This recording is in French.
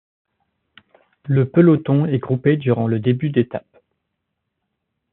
Le peloton est groupé durant le début d'étape.